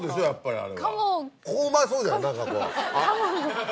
あれ？